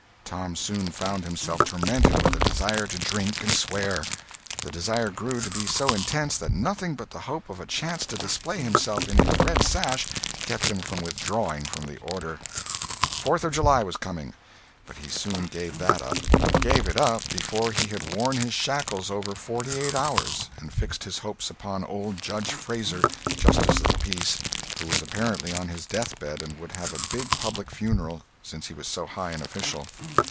Tom soon found himself tormented with a desire to drink and swear; the desire grew to be so intense that nothing but the hope of a chance to display himself in his red sash kept him from withdrawing from the order. Fourth of July was coming; but he soon gave that up—gave it up before he had worn his shackles over forty eight hours—and fixed his hopes upon old Judge Frazer, justice of the peace, who was apparently on his deathbed and would have a big public funeral, since he was so high an official.